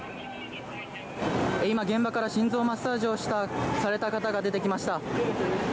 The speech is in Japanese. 今、現場から心臓マッサージをされた方が出てきました。